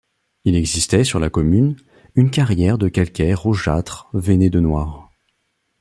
Il existait sur la commune, une carrière de calcaire rougeâtre veiné de noir.